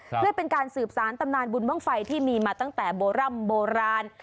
เพื่อเป็นการสืบสารตำนานบุญบ้างไฟที่มีมาตั้งแต่โบร่ำโบราณ